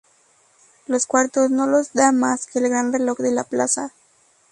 Los cuartos no los da más que el gran reloj de la plaza.